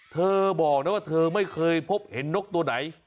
เธอบอกนะว่าเธอไม่เคยพบเห็นนกตัวไหน